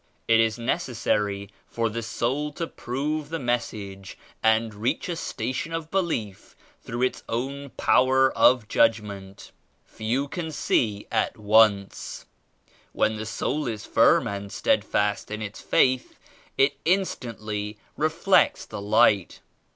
89 "It is necessary for the soul to prove the Mes sage and reach a station of belief through its own power of judgment. Few can see at once. When the soul is firm and steadfast in its Faith, it instantly reflects the Light.